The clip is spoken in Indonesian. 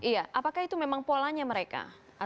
iya apakah itu memang polanya mereka